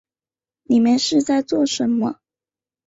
你们是在做什么